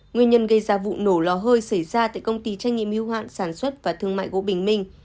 nguyên nhân gây ra vụ nổ lò hơi xảy ra tại công ty trách nhiệm hưu hạn sản xuất và thương mại gỗ bình minh